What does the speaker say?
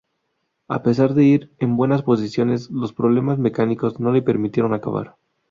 A pesar de ir en buenas posiciones los problemas mecánicos no le permitieron acabar.